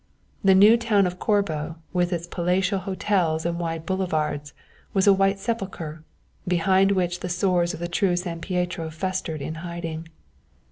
The new town of Corbo with its palatial hotels and wide boulevards was a whited sepulchre, behind which the sores of the true San Pietro festered in hiding.